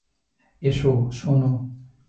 এসো, শোনো!